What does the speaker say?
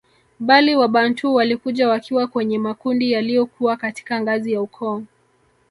Bali Wabantu walikuja wakiwa kwenye makundi yaliyokuwa katika ngazi ya Ukoo